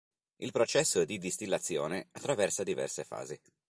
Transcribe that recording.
Il processo di distillazione attraversa diverse fasi.